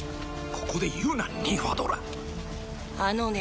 ここで言うなニンファドーラあのね